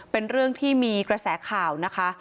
เป็นเรื่องที่มีกระแสข่าวนะคะ